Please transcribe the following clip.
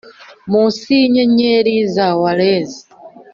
munsi yinyenyeri za wales